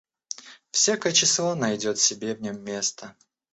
Всякое число найдёт себе в нём место.